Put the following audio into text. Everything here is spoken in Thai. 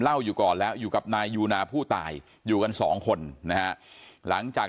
เล่าอยู่ก่อนแล้วอยู่กับนายยูนาผู้ตายอยู่กัน๒คนหลังจาก